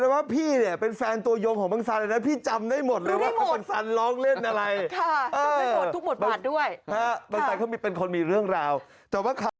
มึงทรยศกลัวอะไรอย่างนั้นเออไป